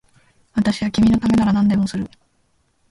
私は君のためなら何でもする